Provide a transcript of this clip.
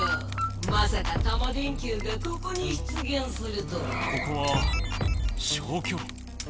まさかタマ電Ｑがここに出げんするとはここは消去炉？